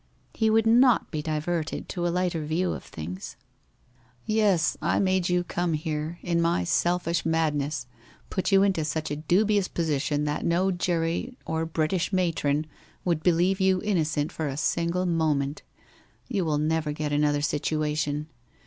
He would not be diverted to a lighter view of things. * Yes, I made you come here, in my selfish madness — put you into such a dubious position that no jury or British matron would believe you innocent for a single moment. You will never get another situation.